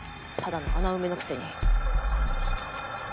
ただの穴埋めのくせに。